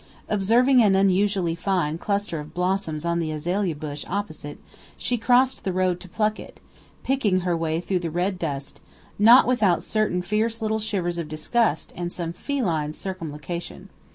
Observing an unusually fine cluster of blossoms on the azalea bush opposite, she crossed the road to pluck it picking her way through the red dust, not without certain fierce little shivers of disgust and some feline circumlocution.